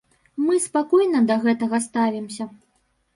Мы спакойна да гэтага ставімся.